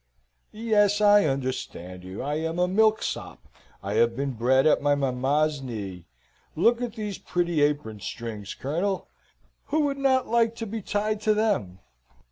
"Yes, I understand you. I am a milksop. I have been bred at my mamma's knee. Look at these pretty apron strings, Colonel! Who would not like to be tied to them?